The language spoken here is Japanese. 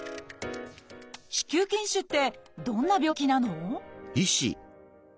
「子宮筋腫」ってどんな病気なの？